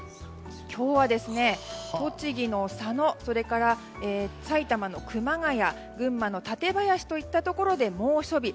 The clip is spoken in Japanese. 今日は栃木の佐野それから埼玉の熊谷群馬の舘林といったところで猛暑日。